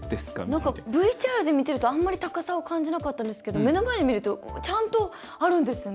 ＶＴＲで見てるとあまり高さを感じなかったですけど目の前で見るとちゃんとあるんですよね。